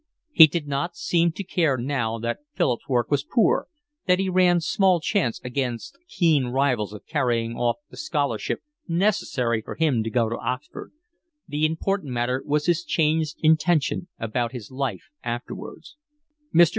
He did not seem to care now that Philip's work was poor, that he ran small chance against keen rivals of carrying off the scholarship necessary for him to go to Oxford: the important matter was his changed intention about his life afterwards. Mr.